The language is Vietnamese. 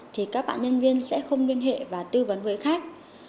thì các bạn nhân viên sẽ không liên hệ và tư vấn với khách